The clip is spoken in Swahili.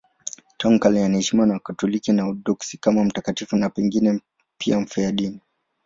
Tangu kale anaheshimiwa na Wakatoliki na Waorthodoksi kama mtakatifu, pengine pia mfiadini.